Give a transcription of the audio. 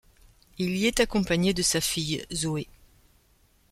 Il y est accompagné de sa fille, Zoé.